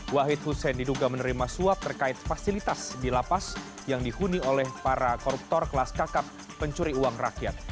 wahid hussein diduga menerima suap terkait fasilitas di lapas yang dihuni oleh para koruptor kelas kakap pencuri uang rakyat